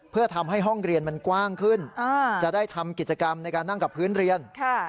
เพื่อทำให้ห้องเรียนมันกว้างขึ้นจะได้ทำกิจกรรมในการนั่งกับพื้นเรียน